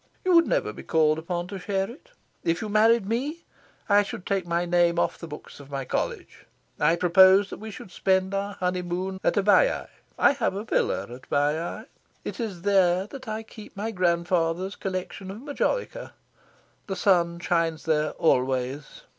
You would never be called upon to share it. If you married me, I should take my name off the books of my College. I propose that we should spend our honeymoon at Baiae. I have a villa at Baiae. It is there that I keep my grandfather's collection of majolica. The sun shines there always.